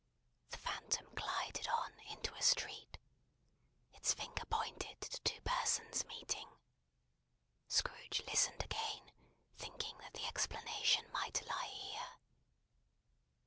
The Phantom glided on into a street. Its finger pointed to two persons meeting. Scrooge listened again, thinking that the explanation might lie here.